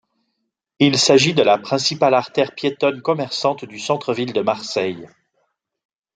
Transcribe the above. Il s'agit de la principale artère piétonne commerçante du centre-ville de Marseille.